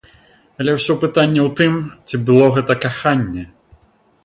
Але ўсё пытанне ў тым, ці было гэта каханне.